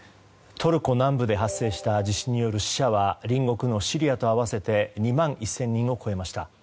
トルコ南部で発生した地震による死者は隣国のシリアと合わせて２万１０００人を超えました。